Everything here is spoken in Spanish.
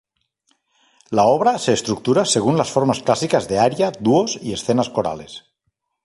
La obra se estructura según las formas clásicas de aria, dúos y escenas corales.